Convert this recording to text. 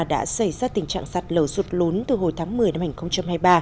đã xảy ra tình trạng sạt lầu sụt lốn từ hồi tháng một mươi năm hai nghìn hai mươi ba